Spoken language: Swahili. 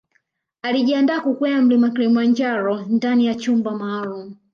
Alijiandaa kukwea Mlima Kilimanjaro ndani ya chumba maalum